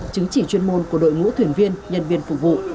chứng chỉ chuyên môn của đội ngũ thuyền viên nhân viên phục vụ